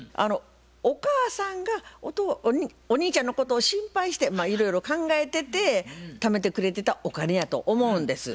お母さんがお兄ちゃんのことを心配してまあいろいろ考えててためてくれてたお金やと思うんです。